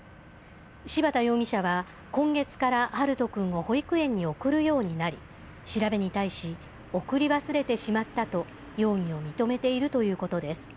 柴田容疑者は、今月から陽翔くんを保育園に送るようになり、調べに対し、送り忘れてしまったと、容疑を認めているということです。